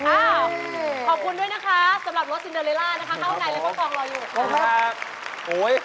อ่ะขอบคุณด้วยนะคะสำหรับรสซินเดอริลล้าไห้รักของรากออกกำลังอยู่